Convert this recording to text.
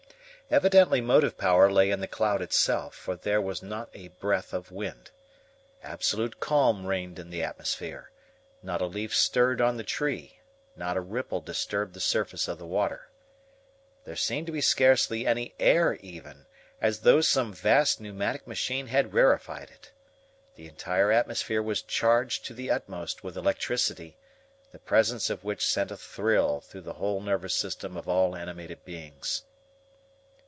Evidently motive power lay in the cloud itself, for there was not a breath of wind. Absolute calm reigned in the atmosphere; not a leaf stirred on the tree, not a ripple disturbed the surface of the water. There seemed to be scarcely any air even, as though some vast pneumatic machine had rarefied it. The entire atmosphere was charged to the utmost with electricity, the presence of which sent a thrill through the whole nervous system of all animated beings.